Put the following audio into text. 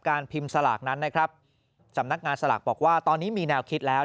พิมพ์สลากนั้นนะครับสำนักงานสลากบอกว่าตอนนี้มีแนวคิดแล้ว